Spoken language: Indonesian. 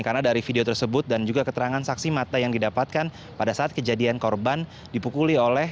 karena dari video tersebut dan juga keterangan saksi mata yang didapatkan pada saat kejadian korban dipukuli oleh